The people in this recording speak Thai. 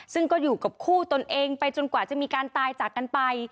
ซึ่งก็อยู่กับคู่ตนเองไปจนกว่าจะมีการตายจากกันไป